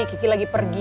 kiki lagi pergi